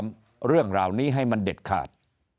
เรื่องราวนี้ให้มันเด็ดขาด